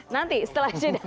nanti setelah ini